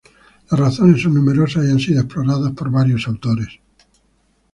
Las razones son numerosas y han sido exploradas por varios autores.